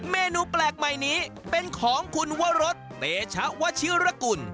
เมนูแปลกใหม่นี้เป็นของคุณวรสเตชะวชิรกุล